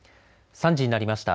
３時になりました。